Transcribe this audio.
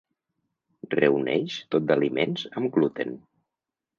Reuneix tot d'aliments amb gluten.